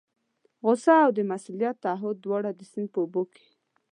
غوسه او د مسؤلیت تعهد دواړه د سیند په اوبو کې.